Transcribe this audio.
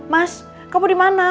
mas kamu dimana